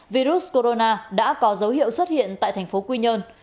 virus corona đã có dấu hiệu xuất hiện tại thành phố quy nhơn